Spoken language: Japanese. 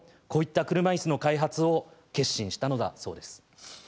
こういった車いすの開発を決心したのだそうです。